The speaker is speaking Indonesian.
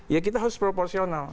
jadi kita harus proporsional